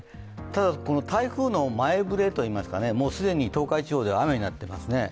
ただ、台風の前触れといいますか、もう既に東海地方では雨になっていますね。